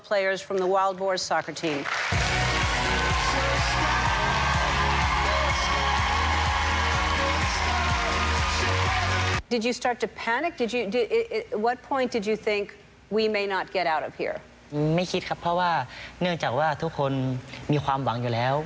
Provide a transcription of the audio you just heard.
ไม่คิดครับเพราะว่าเนื่องจากว่าทุกคนมีความหวังอยู่แล้ว